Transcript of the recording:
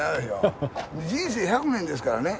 人生１００年ですからね。